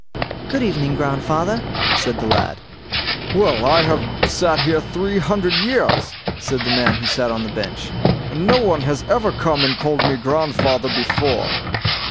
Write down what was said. "Good evening, grandfather!" said the lad. "Well, here I've sat three hundred years", said the man who sat on the bench, "and no one has ever come and called me grandfather before."